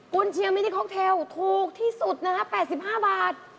คุณเชียร์มินิคอกเทลถูกที่สุดนะฮะ๘๕บาท